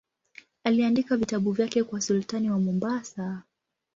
Aliandika vitabu vyake kwa sultani wa Mombasa.